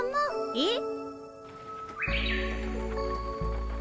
えっ？